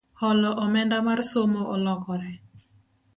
Holo omenda mar somo olokore